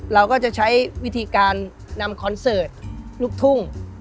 เราก็จะใช้วิธีการนำคอนเสิร์ตลูกทุ่ง